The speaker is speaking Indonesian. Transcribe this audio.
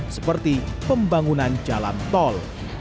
seperti pembangunan jalan tol